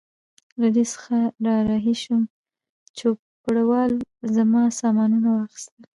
له دوی څخه را رهي شوم، چوپړوال زما سامانونه واخیستل.